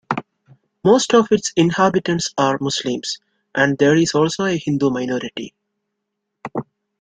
Most of its inhabitants are Muslims and there is also a Hindu minority.